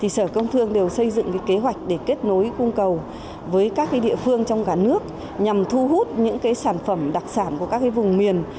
sở công thương đều xây dựng kế hoạch để kết nối cung cầu với các địa phương trong cả nước nhằm thu hút những sản phẩm đặc sản của các vùng miền